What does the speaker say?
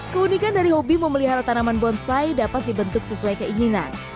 keunikan dari hobi memelihara tanaman bonsai dapat dibentuk sesuai keinginan